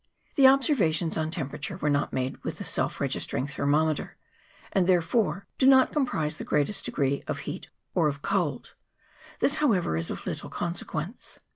The observations on temperature were not made with the self register ing thermometer, and therefore do not comprise the greatest degree of heat or of cold : this, however, is of little consequence.